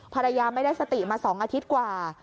ภรรยาไม่ได้สติมา๒อาทิตย์กว่า